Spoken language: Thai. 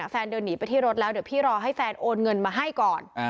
เดินหนีไปที่รถแล้วเดี๋ยวพี่รอให้แฟนโอนเงินมาให้ก่อน